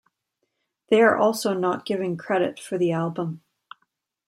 They are also not given credit for the album.